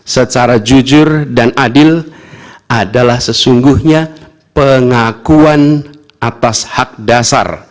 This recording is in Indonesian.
secara jujur dan adil adalah sesungguhnya pengakuan atas hak dasar